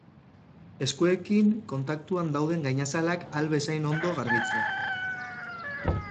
Eskuekin kontaktuan dauden gainazalak ahal bezain ondo garbitzea.